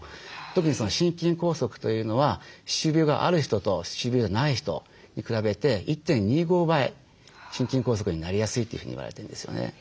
特にその心筋梗塞というのは歯周病がある人と歯周病がない人に比べて１．２５倍心筋梗塞になりやすいというふうに言われてるんですよね。